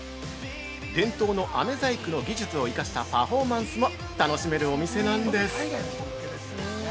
伝統のあめ細工の技術を生かしたパフォーマンスも楽しめるお店なんです！